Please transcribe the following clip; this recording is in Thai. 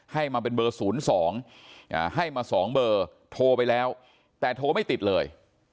ให้มาเป็นเบอร์๐๒ให้มา๒เบอร์โทรไปแล้วแต่โทรไม่ติดเลย